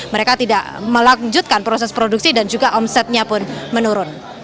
mereka tidak melanjutkan proses produksi dan juga omsetnya pun menurun